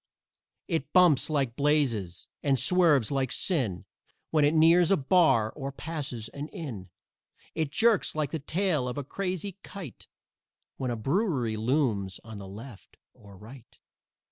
It bumps like blazes and swerves like sin When it nears a bar or passes an inn; It jerks like the tail of a crazy kite When a brewery looms on the left or right.